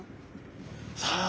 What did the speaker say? さあ